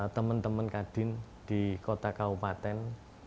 teman teman kadin di kota kaupaten